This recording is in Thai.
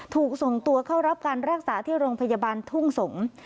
ถูกส่งตัวเข้ารับการรักษาที่โรงพยาบาลทุ่งสงศ์